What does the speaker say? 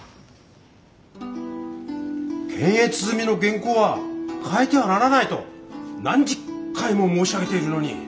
検閲済みの原稿は変えてはならないと何十回も申し上げているのに！